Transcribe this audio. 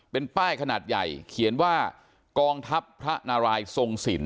เป็นป้ายขนาดใหญ่เขียนว่ากองทัพพระนารายทรงสิน